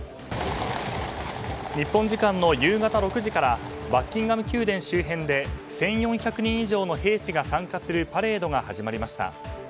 日本時間の夕方６時からバッキンガム宮殿周辺で１４００人以上の兵士が参加するパレードが始まりました。